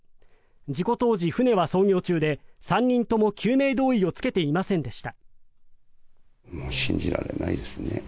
事故当時、船は操業中で３人とも救命胴衣を着けていませんでした。